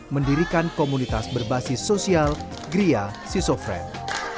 mendirikan komunitas berbasis sosial gria siso friend